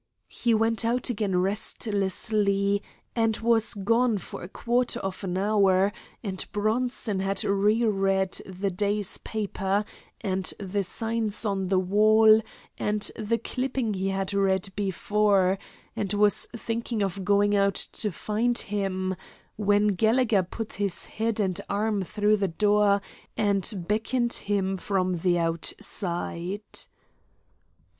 He went out again restlessly, and was gone for a quarter of an hour, and Bronson had re read the day's paper and the signs on the wall and the clipping he had read before, and was thinking of going out to find him, when Gallegher put his head and arm through the door and beckoned to him from the outside.